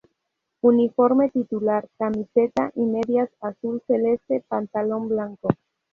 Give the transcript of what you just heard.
Uniforme titular: Camiseta y medias azul celeste, pantalón blanco.